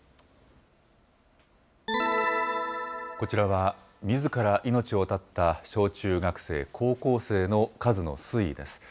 こちらは、みずから命を絶った小中学生、高校生の数の推移です。